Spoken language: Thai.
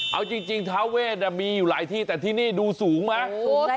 เอาจริงทาเวทมีอยู่หลายที่แต่ที่นี่ดูสูงไหม